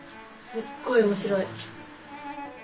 すっごい面白い！